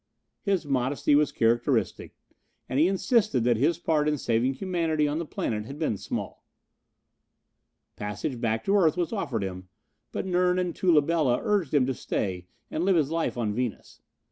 His modesty was characteristic, and he insisted that his part in saving humanity on the planet had been small. Passage back to earth was offered him, but Nern and Tula Bela urged him to say and live his life on Venus.